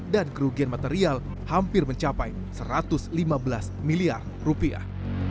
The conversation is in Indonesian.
dan kerugian material hampir mencapai satu ratus lima belas miliar rupiah